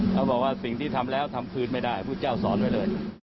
เขาบอกว่าสิ่งที่ทำแล้วทำคืนไม่ได้พุทธเจ้าสอนไว้เลย